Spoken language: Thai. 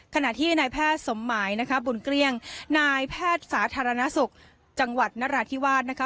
ขณะที่นายแพทย์สมหมายนะคะบุญเกลี้ยงนายแพทย์สาธารณสุขจังหวัดนราธิวาสนะคะ